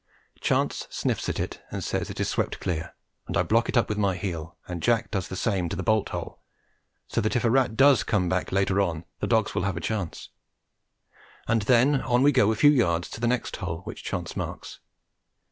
Chance sniffs at it and says it is swept clear, and I block it up with my heel, and Jack does the same to the bolt hole, so that if a rat does come back later on the dogs will have a chance; and then on we go a few yards to the next hole which Chance marks.